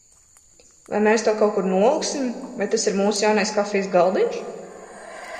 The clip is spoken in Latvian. Vai mēs to kaut kur noliksim, vai tas ir mūsu jaunais kafijas galdiņš?